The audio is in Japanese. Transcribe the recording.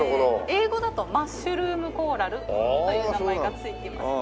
英語だとマッシュルームコーラルという名前がついていますね。